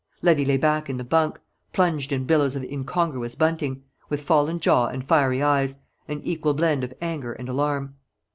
Levy lay back in the bunk, plunged in billows of incongruous bunting, with fallen jaw and fiery eyes, an equal blend of anger and alarm.